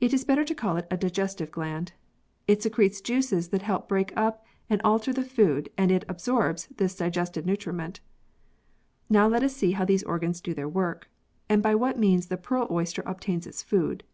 It is better to call it a digestive gland. It secretes juices that help to break up and alter the food and it absorbs this digested nutriment. Now let us see how these organs do their work and by what means the pearl oyster obtains its food.